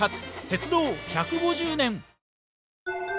鉄道１５０年」。